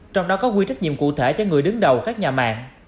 trong đó có quy trách nhiệm cụ thể cho người đứng đầu các nhà mạng